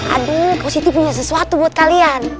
aduh kau siti punya sesuatu buat kalian